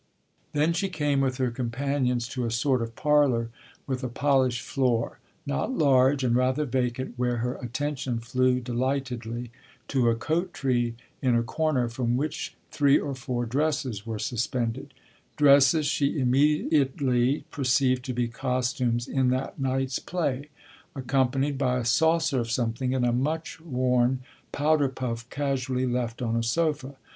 Then she came with her companions to a sort of parlour with a polished floor, not large and rather vacant, where her attention flew delightedly to a coat tree, in a corner, from which three or four dresses were suspended dresses she immediately perceived to be costumes in that night's play accompanied by a saucer of something and a much worn powder puff casually left on a sofa.